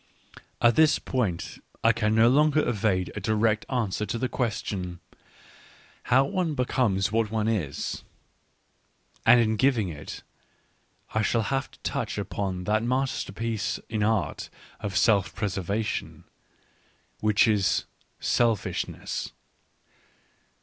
At this point I can no longer evade a direct answer to the question, how one becomes what one is. And in giving it, I shall have to touch upon that masterpiece in the art of self preservation, which is selfishness.